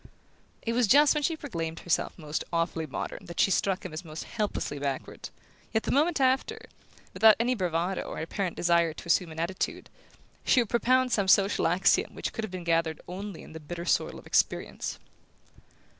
It was just when she proclaimed herself most awfully modern that she struck him as most helplessly backward; yet the moment after, without any bravado, or apparent desire to assume an attitude, she would propound some social axiom which could have been gathered only in the bitter soil of experience.